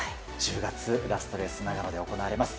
１０月、ラストレースが長野で行われます。